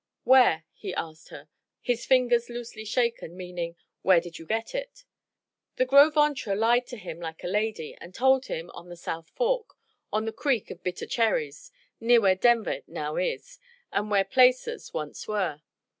"Where?" He asked her, his fingers loosely shaken, meaning, "Where did you get it?" The Gros Ventre lied to him like a lady, and told him, on the South Fork, on the Creek of Bitter Cherries near where Denver now is; and where placers once were.